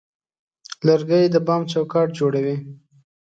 لرګی د بام چوکاټ جوړوي.